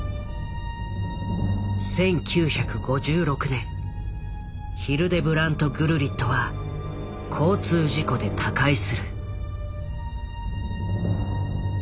１９５６年ヒルデブラント・グルリットは交通事故で他界する。